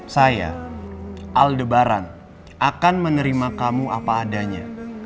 saya aldebaran akan menerima kamu apa adanya